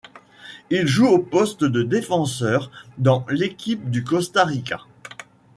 Il joue au poste de défenseur dans l'équipe du Costa Rica.